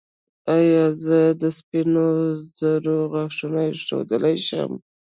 ایا زه د سپینو زرو غاښ ایښودلی شم؟